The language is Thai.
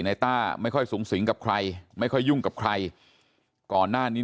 ต้าไม่ค่อยสูงสิงกับใครไม่ค่อยยุ่งกับใครก่อนหน้านี้